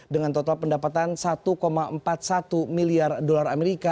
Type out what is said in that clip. dengan total pendapatan satu empat puluh satu miliar dolar amerika